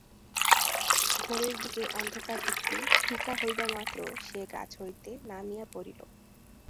ভোরের দিকে অন্ধকার একটু ফিকা হইবামাত্র সে গাছ হইতে নামিয়া পড়িল।